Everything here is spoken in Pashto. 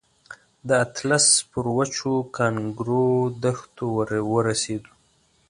د اطلس پر وچو کانکرو دښتو ورسېدو.